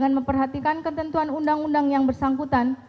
dan memperhatikan ketentuan undang undang yang bersangkutan